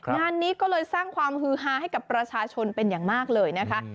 งานนี้ก็เลยสร้างความฮือฮาให้กับประชาชนเป็นอย่างมากเลยนะคะ